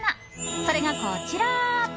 それがこちら。